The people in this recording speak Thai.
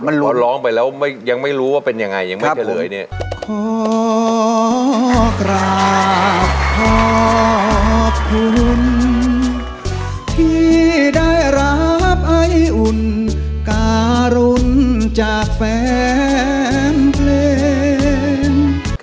เพราะร้องไปแล้วยังไม่รู้ว่าเป็นอย่างไรยังไม่เฉลย